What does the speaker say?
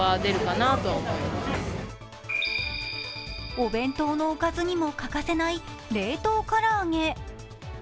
お弁当のおかずにも欠かせない冷凍唐揚げ。